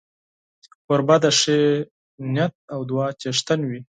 کوربه د ښې نیت او دعا څښتن وي.